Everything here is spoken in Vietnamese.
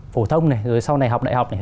phổ thông này rồi sau này học đại học này